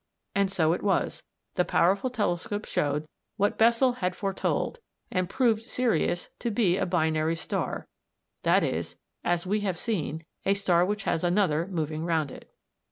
And so it was. The powerful telescope showed what Bessel had foretold, and proved Sirius to be a "binary" star that is, as we have seen, a star which has another moving round it.